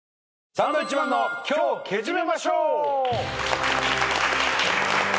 「サンドウィッチマンの今日、けじめまＳＨＯＷ」